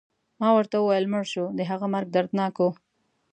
ما ورته وویل: مړ شو، د هغه مرګ دردناک و.